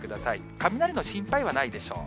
雷の心配はないでしょう。